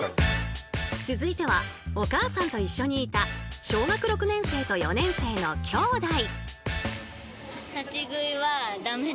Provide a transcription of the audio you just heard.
続いてはお母さんと一緒にいた小学６年生と４年生の兄妹。